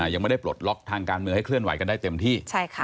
ยังไม่ได้ปลดล็อกทางการเมืองให้เคลื่อนไหวกันได้เต็มที่